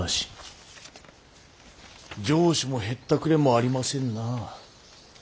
情趣もへったくれもありませんな。